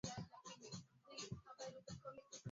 Ugonjwa huu hutokea maeneo mengi nchini